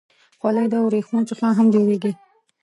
خولۍ د ورېښمو څخه هم جوړېږي.